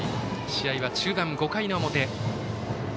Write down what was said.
試合は中盤、５回の表。